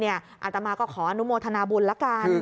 อาตมาก็ขออนุโมทนาบุญละกัน